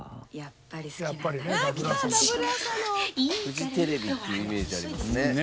フジテレビっていうイメージありますね。